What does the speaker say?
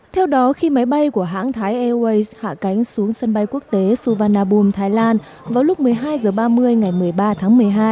theo đó khi máy bay của hãng thái airways hạ cánh xuống sân bay quốc tế suvarnabhum thái lan vào lúc một mươi hai h ba mươi ngày một mươi ba tháng một mươi hai